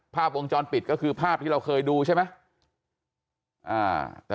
ภาพวงจรปิดก็คือภาพที่เราเคยดูใช่ไหม